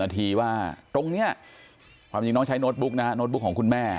ทีว่าตรงนี้ความจริงน้องใช้โน้ตบุ๊กนะฮะโน้ตบุ๊กของคุณแม่